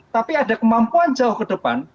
tapi ada kemampuan jauh ke depan